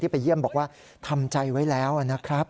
ไปเยี่ยมบอกว่าทำใจไว้แล้วนะครับ